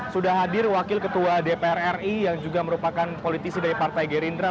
sudah hadir wakil ketua dpr ri yang juga merupakan politisi dari partai gerindra